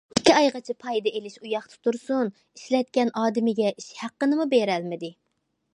ئۇ ئىككى ئايغىچە پايدا ئېلىش ئۇياقتا تۇرسۇن، ئىشلەتكەن ئادىمىگە ئىش ھەققىنىمۇ بېرەلمىدى.